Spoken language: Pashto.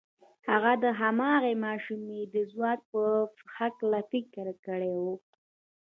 هغه د هماغې ماشومې د ځواک په هکله فکر کړی و.